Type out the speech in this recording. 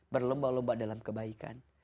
berlomba lomba dalam kebaikan